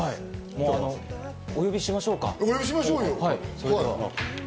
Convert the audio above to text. お呼びしましょうか。